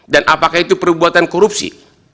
dan apakah itu perbuatan korupsi